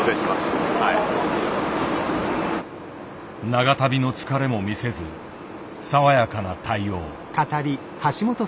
長旅の疲れも見せず爽やかな対応。